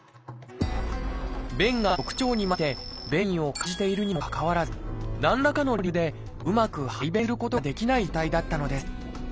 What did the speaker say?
便が直腸にまで来て便意を感じているにもかかわらず何らかの理由でうまく排便することができない状態だったのです。